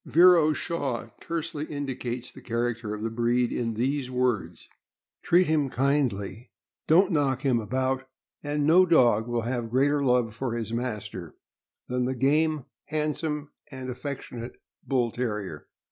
Vero Shaw tersely indicates the character of the breed in these words: "Treat him kindly, don't knock him (4 25) 426 THE AMERICAN BOOK OF THE DOG. about, and no dog will have greater love for his master than the game, handsome, and affectionate Bull Terrier."